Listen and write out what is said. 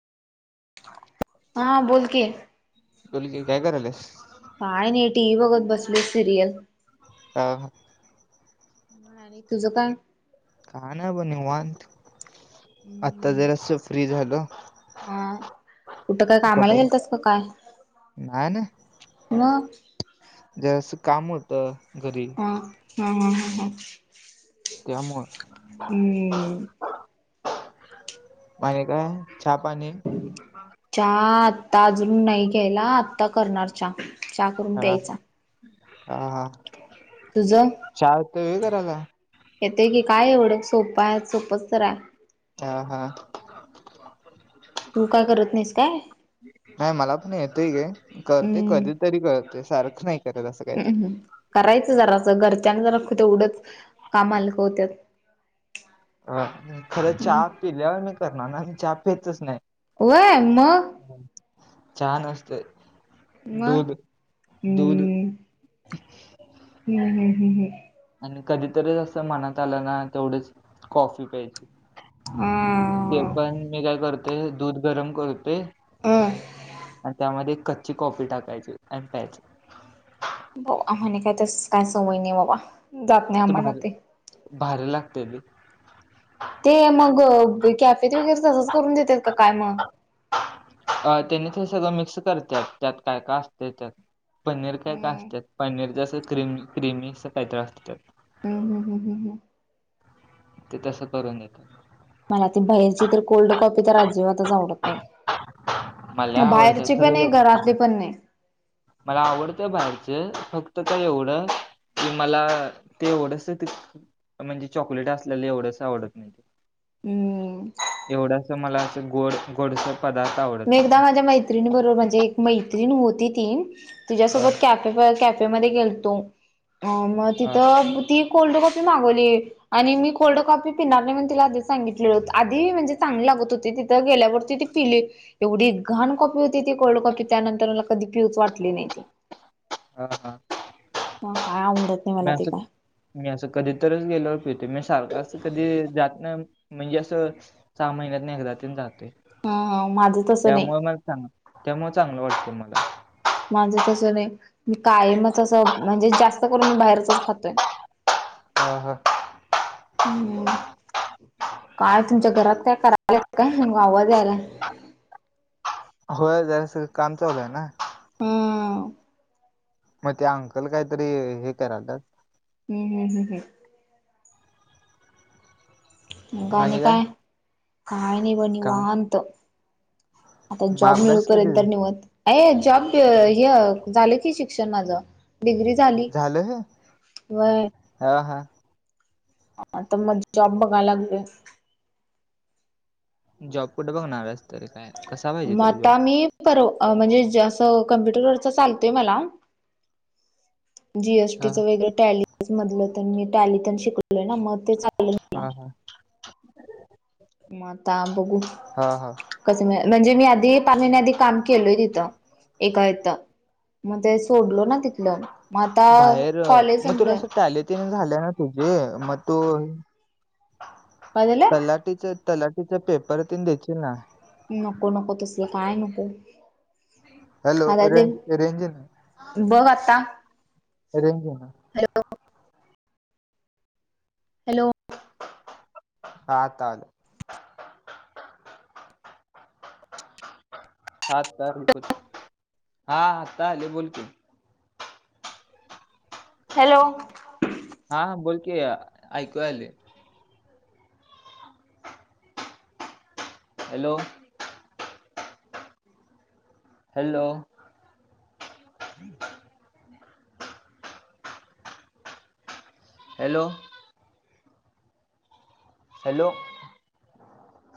हा बोल की. बोल की काय कराल्यास. काय नाही टीव्ही बघत बसलोय सिरीयल. हा हा. आणि तुझं काय? काय नाही बघ निवांत. आत्ता जरासं फ्री झालो. हा कुठं काय आता कामाला पण गेलतास का काय? नाही नाही मग? जरासं काम होतं घरी. हा हा हा हा हा. त्यामुळं. हम्म आणि काय चहापाणी. चहा आत्ता अजून नाही केला. आत्ता करणार चहा चहा. करून हा प्यायचा हा हा तुझं चहा येतोय होय करायला? येतोय की काय एवढं सोपं‌ आहे. सोपंच तर आहे. हा हा. तू काय करत नाहीस काय? नाही मला पण येतोय ग करतोय. कधी तरी करतोय सारखं नाही. करत असं काय ते हम्म हम्म करायचं जरासं घरच्यांचं जरा तेवढंच काम हालकं होत्यात. अ खरं चहा पिल्यावर मी करणार ना, चहा पीतच नाही. व्हय मग? चहा नसतोय. दूध मग हम् दूध हम् हम् ह् ह्. आणि कधीतरच असं मनात आलं ना तेवढच कॉफी प्यायची. ते आ पण मी काय करतोय दूध गरम करतोय. अ आणि त्यामध्ये कच्ची कॉपी टाकायचं आणि प्यायचं. बर आम्हानी काय तसं काय सवय नाही बाबा. जात नाही कीती आम्हाला भारी ते भारी लागतंय ते. ते मग कॅफेत वगैरे तसंच करून देतात का काय मग. अ तेनी ते सगळं मिक्स करत्यात त्यात काय काय असतंय त्यात. पनीर काय काय हम्म असतात पनीरचं असं क्रिमी- क्रिमी असं काहीतरी असतंय त्यात. हम्म हम्म हम्म हम्म. ते तसं करून देतात. मला ती बाहेरची तर कोल्ड कॉपी तर अजिबातच आवडत नाही. मला लय आवडतं बाहेरची पण खरं नाही, एव घरातली पण नाही. मला आवडत्या बाहेरची फक्त काय एवढं की मला ते एवढसं ते म्हणजे चॉकलेट असलेलं एवढसं आवडत नाहीे ते. हम्म एवढसं मला असं गोड गोडसर पदार्थ आवड मी एकदा माझ्या मैत्रिणी बरोबर म्हणजे एक मैत्रीण होती ती अ तिझ्यासोबत कॅप् कॅफे मध्ये गेलतो मग हा तिथं ती कोल्ड कॉपी मागवली. आणि मी कोल्ड कॉपी पिणार नाही म्हणून तिला आधीच सांगितलेलो आधी म्हणजे चांगली लागत होती तिथं गेल्यावरती ती पिली. एवढी घाण कॉपी होती ती कोल्ड कॉपी त्यानंतर मला कधी पिऊच वाटली नाही ती. हा हा. मग काय आवडत? नाही मला ते मॅस काय मी असं कधीतरच गेल्यावर पितोय मी सारखं अस कधी जात नाही म्हणजे असं सहा महिन्यातन एकदातीन जातोय. ह ह माझं तसं नाही त्यामुळ चांग-त्यामुळ चांगलं वाटतं मला. माझं तसं नाही काय म तस म्हणजे जास्त करून मी बाहेरचच खातोय. [inaudible] हां हां. [unintelligible] काय तुमच्या घरात काय करायला काय आवाज यायला. होय जरास सगळं काम चालू आहे ना. [unintelligible] मग ते अंकल कायतरी हे कारल्यात. हम् हम हम् हम. मग आणि काय काय नाही काय निवांत. आता मग जॉब अभ्यास कधी मिळूपर्यंत निवांत मत जॉब हे झालं की शिक्षण माझं. डीग्री झाली. झालं ह व्हय हा हा. तर मग जॉब बघायला लागलोय. जॉब कुठे बघणार आहेस तरी काय कसा पाहिजे तुला जॉब. म्हणजें असं कम्प्युटरवररचा चालतोय मला. जीएसटी हा च वगैरे टॅली तर मी टॅली शिकलोय ना मग ते चालेल मला. हा हा. मं तां आं बघूं. हा हा. कसं म्हणजे मी आंधी पांच महिने आधीच कामं केलंय तिथं एकां इथं. मंग ते सोडलो नां तिथलं मंग आंता कॉलेज म्हटलं. झाल्याचं नां तुझे मंग तूं काय झालं सलां तीचं तीलाटीचा पेपर ते द्यीलं नां. नको नको तसलं कामं नको हॅलो आंता ते. रेंज रेंज आहे ना बघं आंता. अरे हॅलो हॅलो. हां चालेल. हां तां हां आता आलें बोलं की. हॅलो. हां बोलंकी ऐकूं आले. हॅलो. हॅलो. हॅलो. हॅलो.